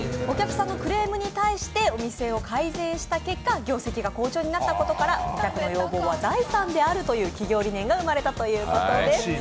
お客さんのクレームに対してお店を改善した結果、業績が好調になったことからお客の要望は財産であるという企業理念が生まれたということです。